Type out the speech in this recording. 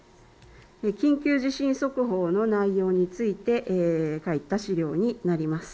緊急地震速報の内容について書いた資料になります。